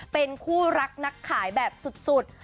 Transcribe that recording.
เป็นคู่รักนักขายแบบสุด